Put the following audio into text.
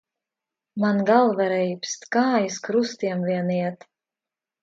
Man galva reibst, kājas krustiem vien iet.